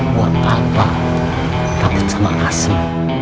buat apa takut sama asem